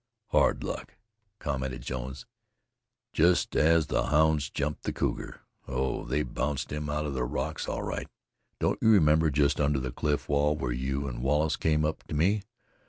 "Hard luck!" commented Jones. "Just as the hounds jumped the cougar Oh! they bounced him out of the rocks all right don't you remember, just under that cliff wall where you and Wallace came up to me?